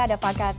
ada pakat pertde